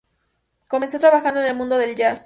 Comenzó trabajando en el mundo del jazz.